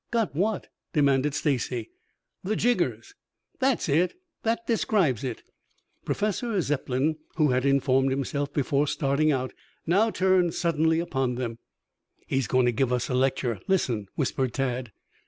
"Got what?" demanded Stacy. "The jiggers." "That's it. That describes it." Professor Zepplin, who had informed himself before starting out, now turned suddenly upon them. "He's going to give us a lecture. Listen," whispered Tad.